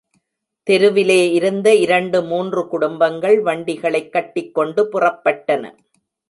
தெருவிலே இருந்த இரண்டு, மூன்று குடும்பங்கள் வண்டிகளைக் கட்டிக்கொண்டு புறப்பட்டன.